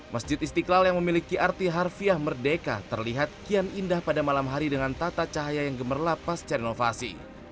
masjid istiqlal yang memiliki arti harfiah merdeka terlihat kian indah pada malam hari dengan tata cahaya yang gemerlap pasca renovasi